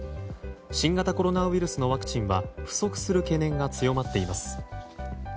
新型コロナウイルスのワクチンは不足する懸念が強まっています。